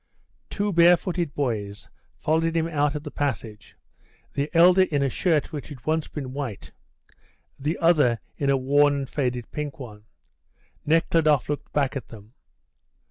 Two barefooted boys followed him out of the passage the elder in a shirt that had once been white, the other in a worn and faded pink one. Nekhludoff looked back at them.